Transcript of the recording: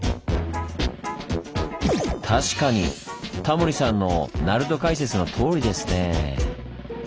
確かにタモリさんの鳴門解説のとおりですね。